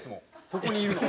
そこにいるの。